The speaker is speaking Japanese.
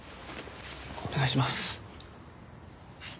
お願いします。